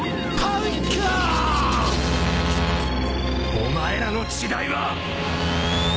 お前らの時代は。